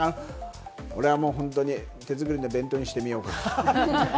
俺はもう本当に手づくりで弁当にしてみようか。